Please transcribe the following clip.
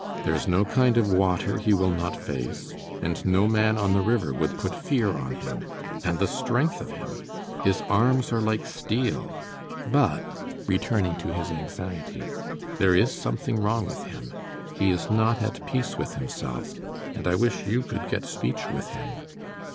There is no kind of water he will not face, and no man on the river would put fear on him. And the strength of him! His arms are like steel. But," returning to his anxiety, "there is something wrong with him. He is not at peace with himself, and I wish you could get speech with him."